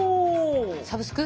サブスク？